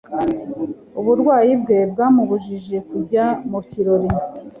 uburwayi bwe bwamubujije kujya mu kirori